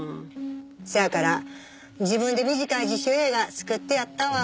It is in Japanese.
せやから自分で短い自主映画作ってやったわ。